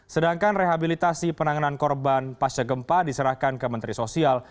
sedangkan rehabilitasi penanganan korban pasca gempa diserahkan ke menteri sosial